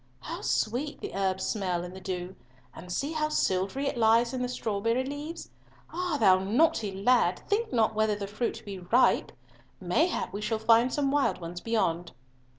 How sweet the herbs smell in the dew—and see how silvery it lies on the strawberry leaves. Ah! thou naughty lad, think not whether the fruit be ripe. Mayhap we shall find some wild ones beyond."